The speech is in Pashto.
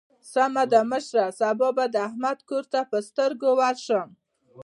سمه ده مشره؛ سبا به د احمد کور ته پر سترګو ورشم.